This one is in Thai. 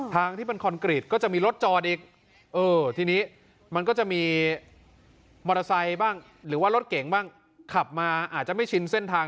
ทางที่เป็นคอนกรีตก็จะมีรถจอดอีกเออทีนี้มันก็จะมีมอเตอร์ไซค์บ้างหรือว่ารถเก่งบ้างขับมาอาจจะไม่ชินเส้นทาง